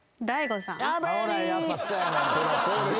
そりゃそうでしょ。